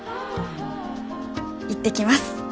行ってきます。